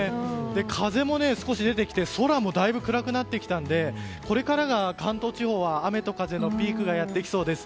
風も少し出てきて空もだんだん暗くなってきたのでこれからが関東地方は雨と風のピークがやってきそうです。